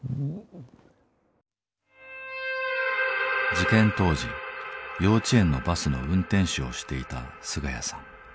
事件当時幼稚園のバスの運転手をしていた菅家さん。